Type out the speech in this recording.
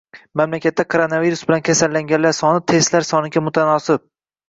Mamlakatda koronavirus bilan kasallanganlar soni testlar soniga mutanosib